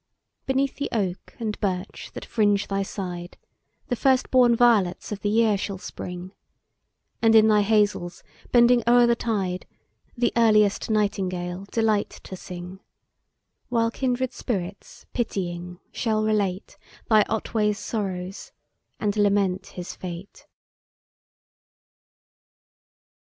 Beneath the oak and birch that fringe thy side, The first born violets of the year shall spring; And in thy hazles, bending o'er the tide, The earliest nightingale delight to sing: While kindred spirits, pitying, shall relate Thy Otway's sorrows, and lament his fate.